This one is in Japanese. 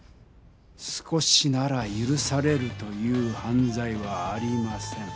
少しならゆるされるというはんざいはありません。